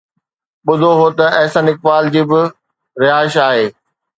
ٻڌو هو ته احسن اقبال جي به رهائش آهي.